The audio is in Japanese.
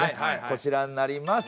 こちらになります。